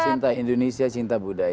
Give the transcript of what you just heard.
cinta indonesia cinta budaya